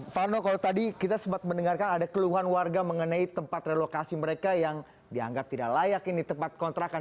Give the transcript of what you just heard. vano kalau tadi kita sempat mendengarkan ada keluhan warga mengenai tempat relokasi mereka yang dianggap tidak layak ini tempat kontrakan